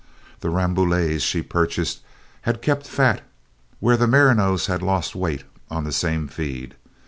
The Rambouillets she purchased had kept fat where the merinos had lost weight on the same feed.